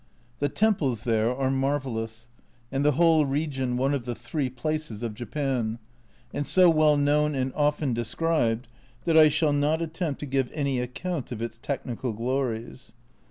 The temples there are marvellous, and the whole region one of the "three places" of Japan, and so well known and often described that I shall not attempt to give any account of its technical glories.